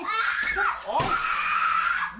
จุดของ